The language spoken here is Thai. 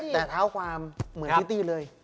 แต่เท้าความเหมือนพิตตี้เลย